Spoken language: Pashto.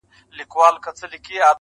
ماسومان زموږ وېريږي ورځ تېرېږي~